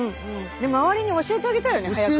周りに教えてあげたいよね早くね。